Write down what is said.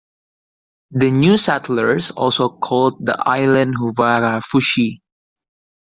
The new settlers also called the island 'Huvarafushi'.